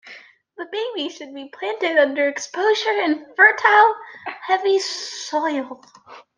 It should be planted under bright exposure in fertile, mid-weight soil.